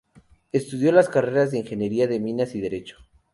Estudió las carreras de Ingeniería de Minas y Derecho.